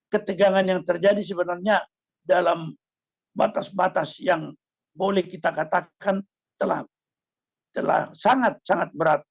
ketegangan yang terjadi sebenarnya dalam batas batas yang boleh kita katakan telah sangat sangat berat